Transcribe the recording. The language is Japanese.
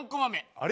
あれ？